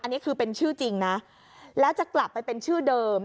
อันนี้คือเป็นชื่อจริงนะแล้วจะกลับไปเป็นชื่อเดิม